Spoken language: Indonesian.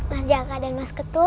terima kasih ya mas jaka dan mas ketul